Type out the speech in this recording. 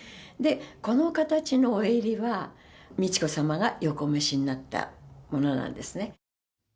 この形のお襟は、美智子さまがよくお召しになったものなんですね。